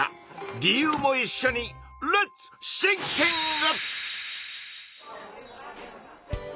理由もいっしょにレッツシンキング！